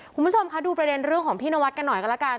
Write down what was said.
คุณผู้ชมคะดูประเด็นเรื่องของพี่นวัดกันหน่อยกันแล้วกัน